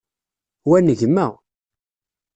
Wa n gma.